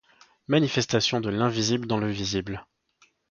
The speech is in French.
Manifestation de l’invisible dans le visible.